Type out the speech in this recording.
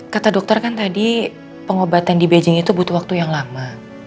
kata dokter kan tadi pengobatan di beijing itu butuh waktu yang lama